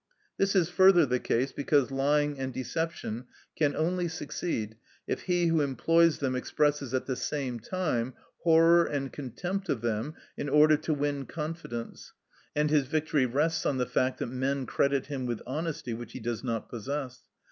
This is further the case because lying and deception can only succeed if he who employs them expresses at the same time horror and contempt of them in order to win confidence, and his victory rests on the fact that men credit him with honesty which he does not possess.